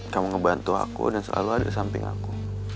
kamu ngebantu aku dan selalu ada di samping aku